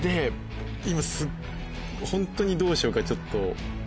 今ホントにどうしようかちょっと。